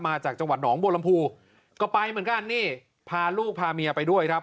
มาจากจังหวัดหนองบัวลำพูก็ไปเหมือนกันนี่พาลูกพาเมียไปด้วยครับ